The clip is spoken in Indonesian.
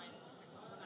sekolah kanan aja